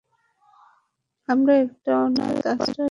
আমরা একটা অনাথ আশ্রমের পাশ দিয়ে যাচ্ছিলাম।